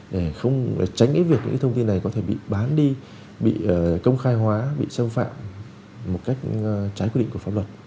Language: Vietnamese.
để tránh cái việc những thông tin này có thể bị bán đi bị công khai hóa bị xâm phạm một cách trái quy định của pháp luật